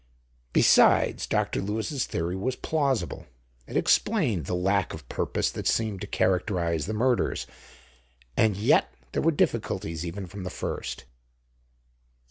Besides, Dr. Lewis's theory was plausible; it explained the lack of purpose that seemed to characterize the murders. And yet—there were difficulties even from the first.